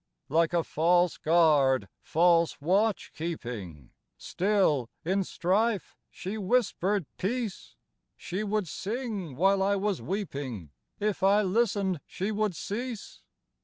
Like a false guard, false watch keeping, Still, in strife, she whispered peace; She would sing while I was weeping; If I listened, she would cease.